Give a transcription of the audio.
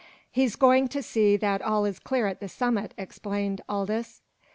"He's going to see that all is clear at the summit," explained Aldous.